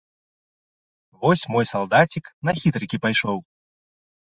Вось мой салдацік на хітрыкі пайшоў.